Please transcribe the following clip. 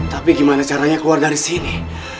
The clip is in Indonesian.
tapi gimana caranya keluar dari sini